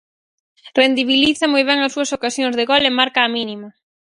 Rendibiliza moi ben as súas ocasións de gol e marca á mínima.